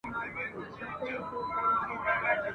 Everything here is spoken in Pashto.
د خوني زمري له خولې وو تښتېدلی !.